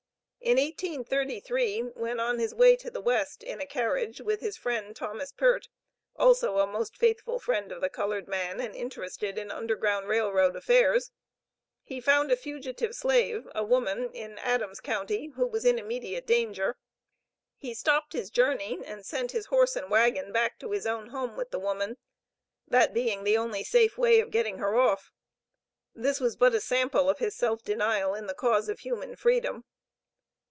In 1833, when on his way to the West, in a carriage, with his friend, Thomas Peart, also a most faithful friend of the colored man and interested in Underground Rail Road affairs, he found a fugitive slave, a woman, in Adams county, who was in immediate danger. He stopped his journey, and sent his horse and wagon back to his own home with the woman, that being the only safe way of getting her off. This was but a sample of his self denial, in the cause of human freedom.